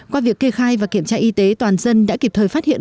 qua việc kê khai và kiểm tra y tế toàn dân đã kịp thời phát hiện